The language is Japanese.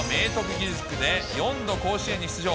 義塾で４度甲子園に出場。